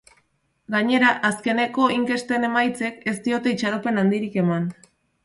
Gainera, azkeneko inkesten emaitzek ez diote itxaropen handirik eman.